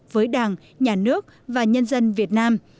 đối đảng nhà nước và nhân dân việt nam